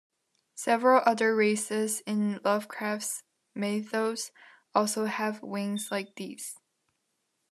Several other races in Lovecraft's Mythos also have wings like these.